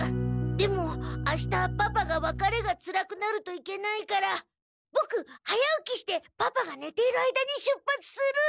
でもあしたパパがわかれがつらくなるといけないからボク早起きしてパパがねている間に出発する。